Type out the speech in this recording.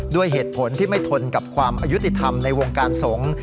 ด้วยเหตุผลที่ไม่ทนกับความอายุติธรรมในวงการสงฆ์